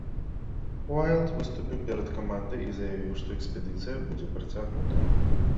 Уайлд выступіў перад камандай і заявіў, што экспедыцыя будзе працягнутая.